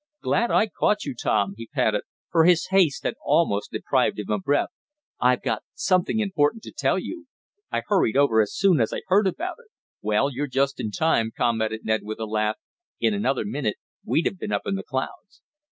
"Glad I caught you, Tom." he panted, for his haste had almost deprived him of breath. "I've got something important to tell you. I hurried over as soon as I heard about it." "Well, you're just in time," commented Ned with a laugh. "In another minute we'd have been up in the clouds."